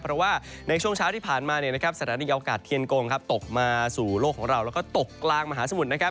เพราะว่าในช่วงเช้าที่ผ่านมาสถานีอวกาศเทียนกงตกมาสู่โลกของเราแล้วก็ตกกลางมหาสมุทรนะครับ